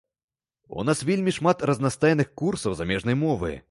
У нас вельмі шмат разнастайных курсаў замежнай мовы.